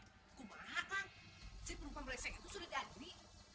aku mah akang si penumpang beresek itu sudah dari